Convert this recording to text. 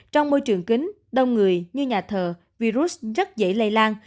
trong môi trường kính đông người như nhà thờ virus rất dễ lây lan